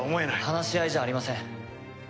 話し合いじゃありません。